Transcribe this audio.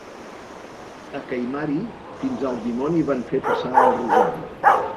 A Caimari fins al dimoni van fer passar el rosari.